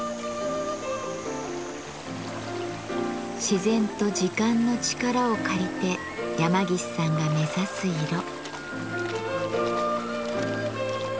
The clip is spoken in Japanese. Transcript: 自然と時間の力を借りて山岸さんが目指す色。